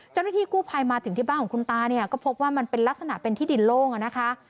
เจ้าหน้าที่กู้ภัยมาถึงที่บ้านของคุณตาเนี่ยก็พบว่ามันเป็นลักษณะเป็นที่ดินโล่งอะนะคะ